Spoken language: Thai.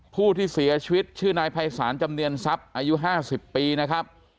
ผู้ที่เสียชีวิตชื่อนายภัยศาลจำเนียนทรัพย์อายุ๕๐ปีนะครับ